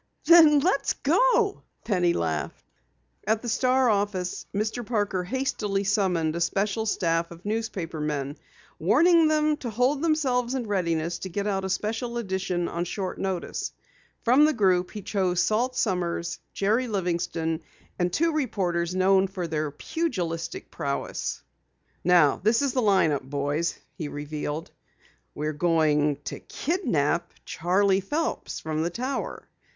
"Then let's go!" laughed Penny. At the Star office, Mr. Parker hastily summoned a special staff of newspaper men, warning them to hold themselves in readiness to get out a special edition on short notice. From the group he chose Salt Sommers, Jerry Livingston, and two reporters known for their pugilistic prowess. "Now this is the line up, boys," he revealed. "We're going to kidnap Charley Phelps from the Tower.